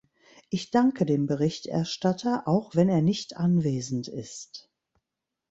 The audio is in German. Ich danke dem Berichterstatter, auch wenn er nicht anwesend ist.